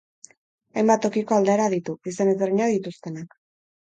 Hainbat tokiko aldaera ditu, izen ezberdinak dituztenak.